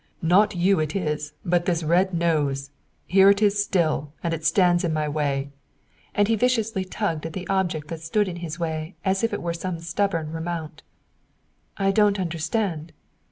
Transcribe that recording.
Not you it is, but this red nose! Here it is still, and it stands in my way." And he viciously tugged at the object that stood in his way as if it were some stubborn remount. "I don't understand."